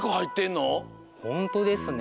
ほんとですね。